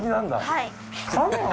はい。